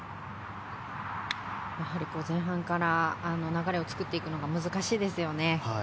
前半から流れを作っていくのが難しいですよね。